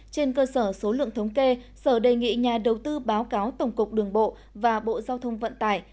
trên cơ sở số lượng thống kê sở đề nghị nhà đầu tư báo cáo tổng cục đường bộ và bộ giao thông vận tải